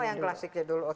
oh yang klasiknya dulu